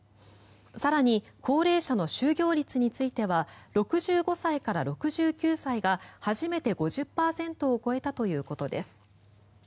更に高齢者の就業率については６５歳から６９歳が初めて５０％を超えたということです。